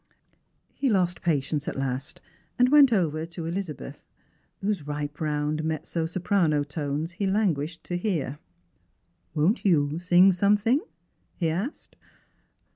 He lost patience at last, and went over to Elizabeth, whose ripe round mezzo soprano tones he languished to hear. "Won't you sing something?" he asked.